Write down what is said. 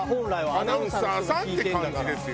アナウンサーさんって感じですよ。